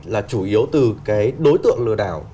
là chủ yếu từ đối tượng lừa đảo